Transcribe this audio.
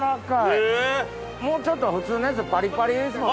もうちょっと普通のやつはパリパリですもんね。